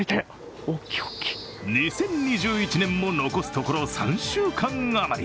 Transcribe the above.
２０２１年も残すところ３週間余り。